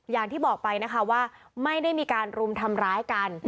อย่างที่บอกไปนะคะว่าไม่ได้มีการรุมทำร้ายกัน